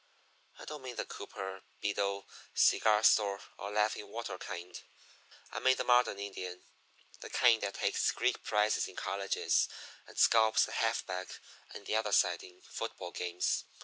I don't mean the Cooper, Beadle, cigar store, or Laughing Water kind I mean the modern Indian the kind that takes Greek prizes in colleges and scalps the half back on the other side in football games.